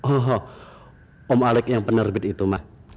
oh om alex yang penerbit itu ma